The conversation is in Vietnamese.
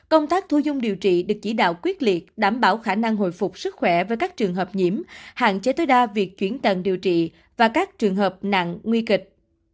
công tác thu dung điều trị được chỉ đạo quyết liệt đảm bảo khả năng hồi phục sức khỏe với các trường hợp nhiễm hạn chế tối đa việc chuyển tần điều trị và các trường hợp nặng nguy kịch